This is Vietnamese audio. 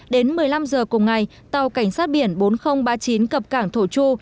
đến một mươi năm h cùng ngày tàu cảnh sát biển bốn nghìn ba mươi chín cập cảng thổ chu